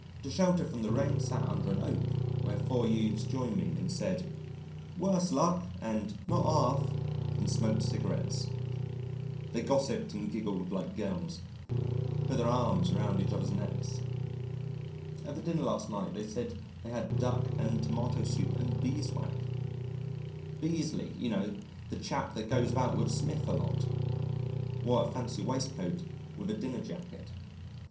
To shelter from the rain sat under an oak where four youths joined me and said, "Worse luck," and "Not half," and smoked cigarettes. They gossipped and giggled like girls, put their arms around each other's necks. At the dinner last night, they said, they had Duck and Tomato Soup and Beeswax ("Beesley, you know, the chap that goes about with Smith a lot") wore a fancy waistcoat with a dinner jacket.